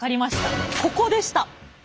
ここでした！